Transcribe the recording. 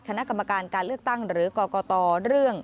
คณะกรรมการการเลือกตั้งหรือกรกตเรื่อง